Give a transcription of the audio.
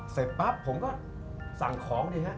เสร็จปั๊บผมก็สั่งของดีฮะ